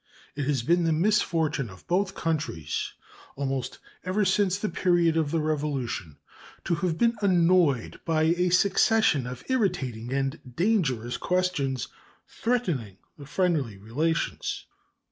It has been the misfortune of both countries, almost ever since the period of the Revolution, to have been annoyed by a succession of irritating and dangerous questions, threatening their friendly relations.